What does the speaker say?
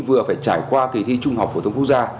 vừa phải trải qua kỳ thi trung học của tổng quốc gia